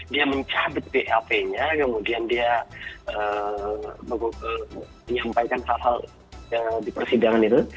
dia mencabut bap nya kemudian dia menyampaikan hal hal di persidangan itu